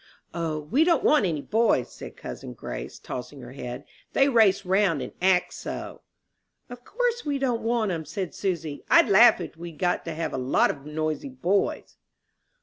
"O, we don't want any boys," said cousin Grace, tossing her head; "they race round, and act so." "Of course we don't want 'em," said Susy. "I'd laugh if we'd got to have a lot of noisy boys."